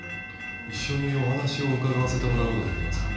一緒にお話を伺わせてもらうことできますか？